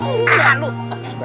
ini dah lu